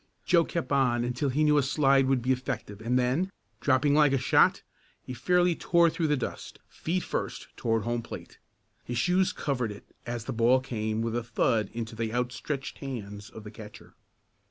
Joe kept on until he knew a slide would be effective and then, dropping like a shot, he fairly tore through the dust, feet first, toward home plate. His shoes covered it as the ball came with a thud into the outstretched hands of the catcher.